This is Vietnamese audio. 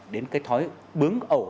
đến cái thói bướng ẩu